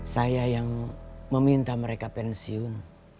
saya yang meminta mereka pensiun